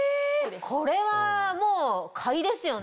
これはもう買いですよね。